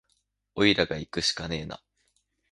おいらがいくしかねえな